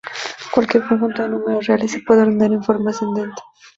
Cualquier conjunto de números reales se puede ordenar en forma ascendente.